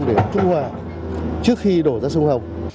để trung hòa trước khi đổ ra sông hồng